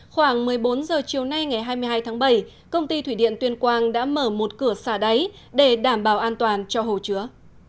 khoảng một mươi bốn h chiều nay ngày hai mươi hai tháng bảy công ty thủy điện tuyên quang đã mở một cửa xả đáy để đảm bảo an toàn cho hồ chứa